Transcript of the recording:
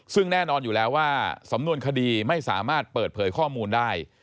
ซึ่งแน่นอนอยู่แล้วว่าสำนวนคดีไม่สามารถเปิดเผยข้อมูลได้